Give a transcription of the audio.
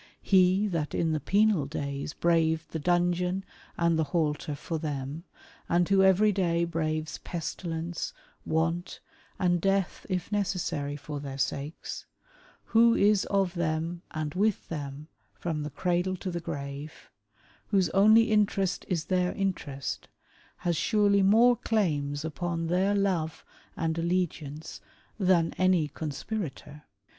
He that in the penal days braved the dungeon and the halter for them, and who every day braves pestilence, want, and death if necessary for their sakes, who is of them and with them from the cradle to the grave, whose only interest is their interest, has surely more claims upon their love and allegiance than any con spirator.